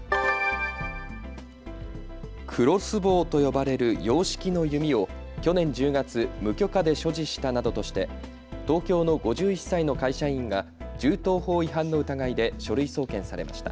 クロスボウと呼ばれる洋式の弓を去年１０月、無許可で所持したなどとして東京の５１歳の会社員が銃刀法違反の疑いで書類送検されました。